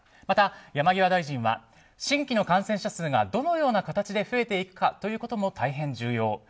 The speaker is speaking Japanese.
また山際大臣は新規の感染者数がどのような形で増えていくかということも大変重要。